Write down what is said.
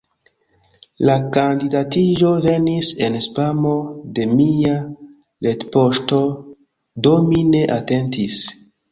La kandidatiĝo venis en spamo de mia retpoŝto, do mi ne atentis.